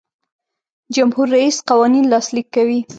جمهور رئیس قوانین لاسلیک کوي.